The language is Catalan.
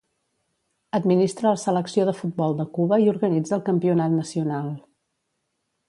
Administra la selecció de futbol de Cuba i organitza el Campionat Nacional.